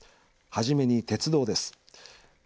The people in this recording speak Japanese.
はじめに鉄道です。